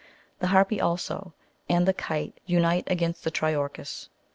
The harpe also, and the kite, unite against the triorchis.